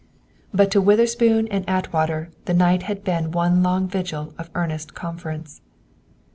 But to Witherspoon and Atwater the night had been one long vigil of earnest conference.